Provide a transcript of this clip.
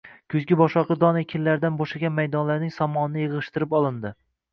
Kuzgi boshoqli don ekinlaridan bo`shagan maydonlarning somonini yig`ishtirib olindi